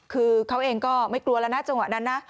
คือเขาเองก็ไม่กลัวแล้วนะจังหวะนั้นนะ